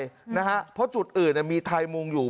เพราะจุดอื่นมีไทยมุงอยู่